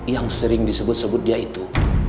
yang sering disebut sebut dia itu